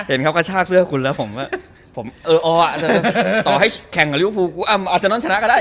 เห็นเขากระชากเสื้อคุณแล้วผมก็ผมเอออาจจะต่อให้แข่งกับลิวฟูกูอาเซนอนชนะก็ได้